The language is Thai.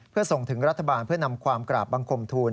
เพื่อส่งถึงรัฐบาลเพื่อนำความกราบบังคมทูล